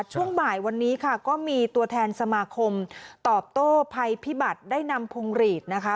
ช่วงบ่ายวันนี้ค่ะก็มีตัวแทนสมาคมตอบโต้ภัยพิบัติได้นำพวงหลีดนะคะ